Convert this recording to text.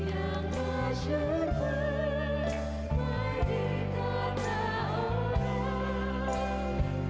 yang masyurku main di kata orang